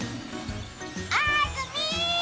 あずみー！